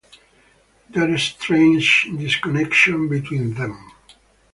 There’s a strange disconnection between them.